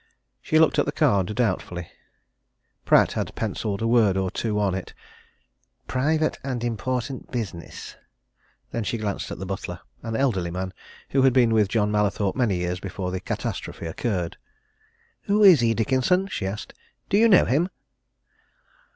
She looked at the card doubtfully Pratt had pencilled a word or two on it: "Private and important business." Then she glanced at the butler an elderly man who had been with John Mallathorpe many years before the catastrophe occurred. "Who is he, Dickenson?" she asked. "Do you know him?"